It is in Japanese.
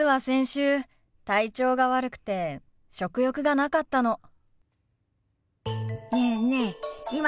先週体調が悪くて食欲がなかったの。